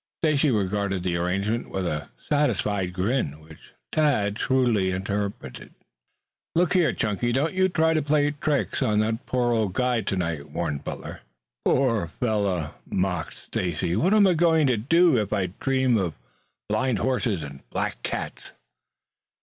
Stacy regarded the arrangements with a satisfied grin, which Tad shrewdly interpreted. "Look here, Chunky, don't you try to play tricks on that poor guide tonight," warned Butler. "Poor fellah!" mocked Stacy, "What am I going to do if I dream of blind horses and black cats?"